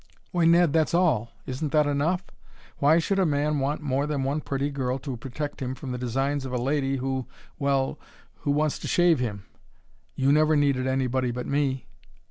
Why, Ned, that's all! Isn't that enough? Why should a man want more than one pretty girl to protect him from the designs of a lady who well who wants to shave him? You never needed anybody but me."